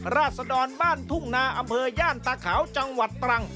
ราศดรบ้านทุ่งนาอำเภอย่านตาขาวจังหวัดตรัง